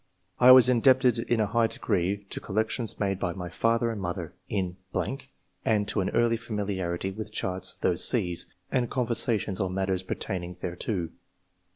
I was indebted in a high degree to collections made by my father and mother, in ...., and to early familiarity with charts of those seas, and conversations on matters pertaining thereto.